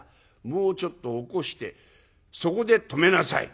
もうちょっと起こしてそこで止めなさい。